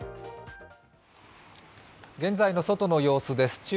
現在の外の様子です。